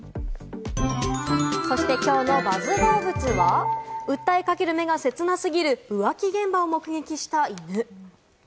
そして、きょうのＢＵＺＺどうぶつは、訴えかける目がせつなすぎる浮気現場を目撃した犬。